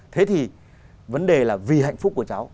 thế thì vấn đề là vì hạnh phúc của cháu